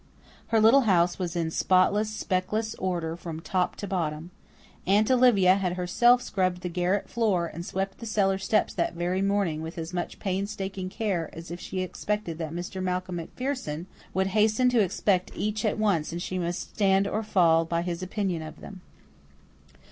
Her little house was in spotless, speckless order from top to bottom. Aunt Olivia had herself scrubbed the garret floor and swept the cellar steps that very morning with as much painstaking care as if she expected that Mr. Malcolm MacPherson would hasten to inspect each at once and she must stand or fall by his opinion of them.